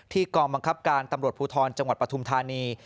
ที่กองบังคับการตำรวจพูดทรจังหวัดพระธุมธานี